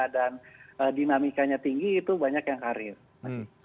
dinamikanya tinggi itu banyak yang karir